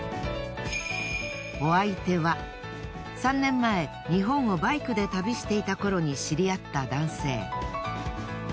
お相手は３年前日本をバイクで旅していた頃に知り合った男性。